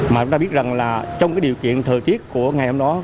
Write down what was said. mà chúng ta biết rằng trong điều kiện thời tiết của ngày hôm đó